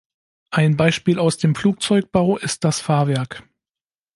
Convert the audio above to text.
Ein Beispiel aus dem Flugzeugbau ist das Fahrwerk.